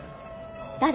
誰？